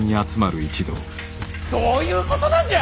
どういうことなんじゃ！